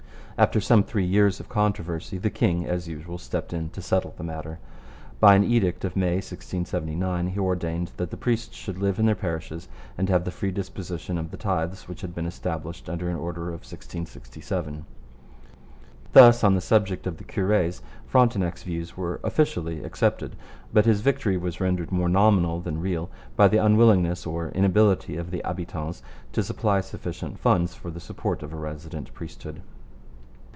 After some three years of controversy the king, as usual, stepped in to settle the matter. By an edict of May 1679 he ordained that the priests should live in their parishes and have the free disposition of the tithes which had been established under an order of 1667. Thus on the subject of the cures Frontenac's views were officially accepted; but his victory was rendered more nominal than real by the unwillingness or inability of the habitants to supply sufficient funds for the support of a resident priesthood.